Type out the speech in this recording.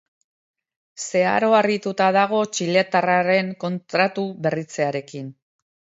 Zeharo harrituta dago txiletarraren kontratu berritzearekin.